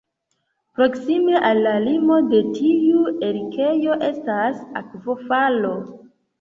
Proksime al la limo de tiu erikejo estas akvofalo.